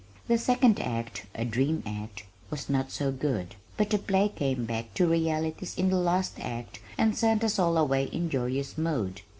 The second act, a "dream act" was not so good, but the play came back to realities in the last act and sent us all away in joyous mood.